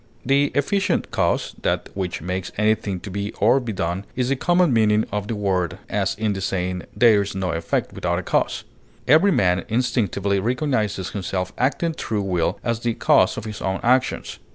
The efficient cause, that which makes anything to be or be done, is the common meaning of the word, as in the saying "There is no effect without a cause." Every man instinctively recognizes himself acting through will as the cause of his own actions.